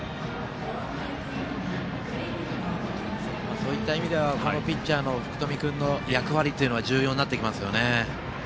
そういった意味ではピッチャーの福冨君の役割は重要になってきますね。